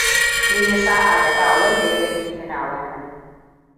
Kin yi sa'a da ba wanda ya ganki kina wannan.